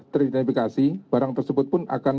teridentifikasi barang tersebut pun akan